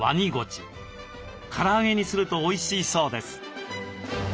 から揚げにするとおいしいそうです。